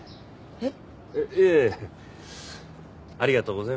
えっ？